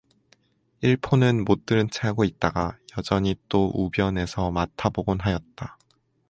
일포는 못 들은 체하고 있다가 여전히 또 우벼 내서 맡아 보곤 하였다.